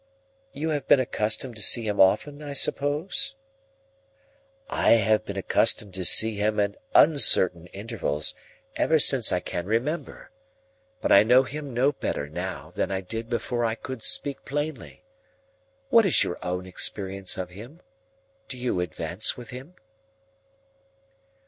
"You have been accustomed to see him often, I suppose?" "I have been accustomed to see him at uncertain intervals, ever since I can remember. But I know him no better now, than I did before I could speak plainly. What is your own experience of him? Do you advance with him?"